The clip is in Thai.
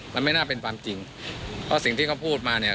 มันไม่น่าเป็นความจริงเพราะสิ่งที่เขาพูดมาเนี่ย